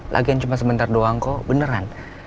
latihan cuma sebentar doang kok beneran